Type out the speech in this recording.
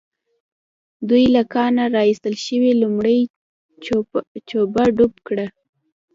دوی له کانه را ايستل شوې لومړۍ جوپه ذوب کړه.